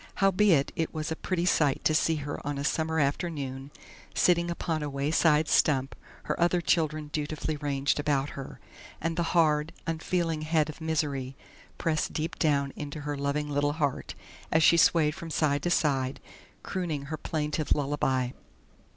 Howbeit it was a pretty sight to see her on a summer afternoon sitting upon a wayside stump, her other children dutifully ranged around her, and the hard, unfeeling head of Misery pressed deep down into her loving little heart as she swayed from side to side, crooning her plaintive lullaby.